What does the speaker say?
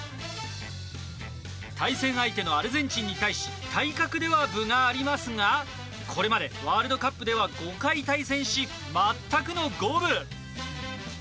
対戦相手のアルゼンチンに対し体格では分がありますがこれまでワールドカップでは５回対戦し、全くの五分。